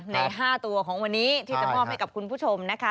ใน๕ตัวของวันนี้ที่จะมอบให้กับคุณผู้ชมนะคะ